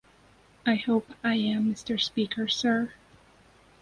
I hope I am, Mr Speaker, Sir.